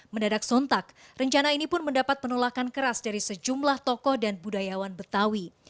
mendadak sontak rencana ini pun mendapat penolakan keras dari sejumlah tokoh dan budayawan betawi